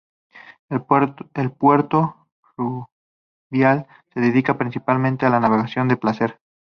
El puerto fluvial se dedica principalmente a la navegación de placer.